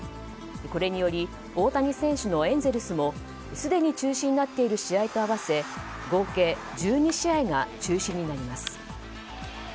これにより大谷選手のエンゼルスもすでに中止になっている試合と合わせ合計１２試合が中止になります。